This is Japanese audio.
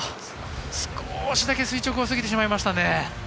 少しだけ垂直を過ぎてしまいましたね。